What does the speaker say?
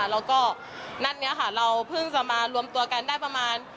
แล้วก็นัดนี้ค่ะเราเพิ่งจะมารวมตัวกันได้ประมาณ